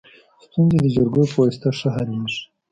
ستونزي د جرګو په واسطه ښه حلیږي.